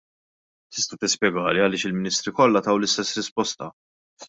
Tista' tispjegali għaliex il-Ministri kollha taw l-istess risposta!